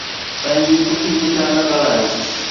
پنهنجي پٺي پٺيان نه ڳالهايو